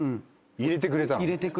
入れてくれたの⁉